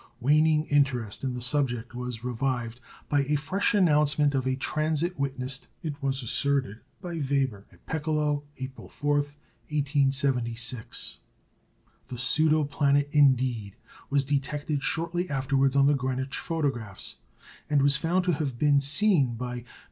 Waning interest in the subject was revived by a fresh announcement of a transit witnessed, it was asserted, by Weber at Peckeloh, April 4, 1876. The pseudo planet, indeed, was detected shortly afterwards on the Greenwich photographs, and was found to have been seen by M.